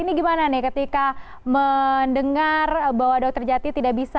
ini gimana nih ketika mendengar bahwa dokter jati tidak bisa